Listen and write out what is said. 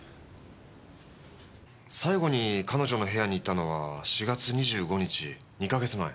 最後に彼女の部屋に行ったのは４月２５日２か月前。